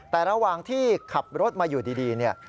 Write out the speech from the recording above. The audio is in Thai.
แต่ระหว่างที่ขับรถมาอยู่ดีเนี่ย